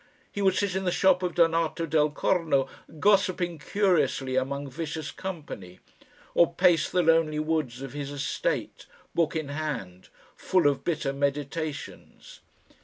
He would sit in the shop of Donato del Corno gossiping curiously among vicious company, or pace the lonely woods of his estate, book in hand, full of bitter meditations.